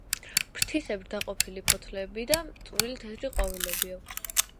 ფრთისებრ დაყოფილი ფოთლები და წვრილი თეთრი ყვავილები აქვს.